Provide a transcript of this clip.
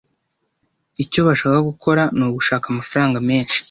Icyo bashaka gukora ni ugushaka amafaranga menshi.